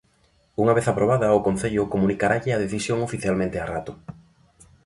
Unha vez aprobada, o Concello comunicaralle a decisión oficialmente a Rato.